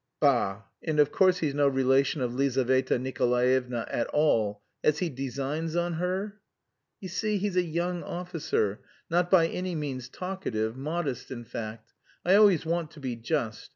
"Bah, and of course he's no relation of Lizaveta Nikolaevna's at all.... Has he designs on her?" "You see, he's a young officer, not by any means talkative, modest in fact. I always want to be just.